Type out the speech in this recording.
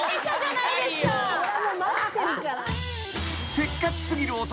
［せっかち過ぎる男